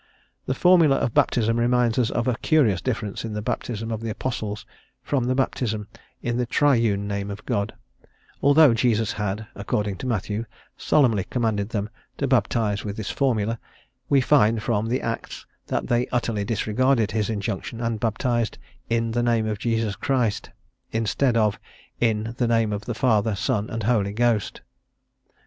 The formula of baptism reminds us of a curious difference in the baptism of the apostles from the baptism in the triune name of God; although Jesus had, according to Matthew, solemnly commanded them to baptize with this formula, we find, from the Acts, that they utterly disregarded his injunction, and baptized "in the name of Jesus Christ," instead of in the name of "Father, Son, and Holy Ghost."